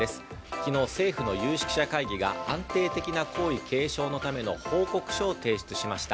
昨日、政府の有識者会議が安定的な皇位継承のための報告書を提出しました。